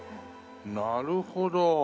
なるほど。